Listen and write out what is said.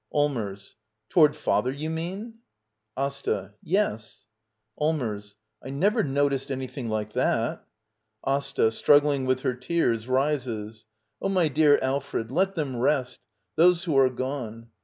Allmers. Toward father, do you mean? AsTA. Yes. Allmers. I never noticed an3rthing like that. AsTA. [Struggling with her te^s, rises.] Oh, my dear Alfred — let them rest — those who^ arc gone.